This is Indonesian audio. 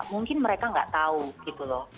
mungkin mereka nggak tahu gitu loh